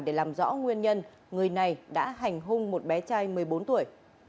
để làm rõ nguyên nhân người này đã hành hung một bé trai một mươi bốn tuổi